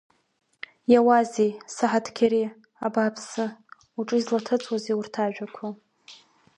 Иауазеи, Саҳаҭқьери, абааԥсы, уҿы излаҭыҵӡазеи урҭ ажәақуа!